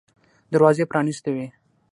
دروازې پرانیستې وې.